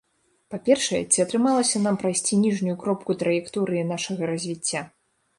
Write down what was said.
Па-першае, ці атрымалася нам прайсці ніжнюю кропку траекторыі нашага развіцця?